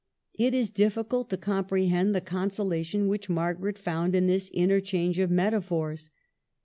It is difficult to comprehend the consolation which Margaret found in this interchange of metaphors.